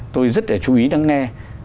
tôi rất là chú ý lắng nghe